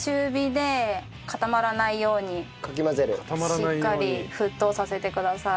しっかり沸騰させてください。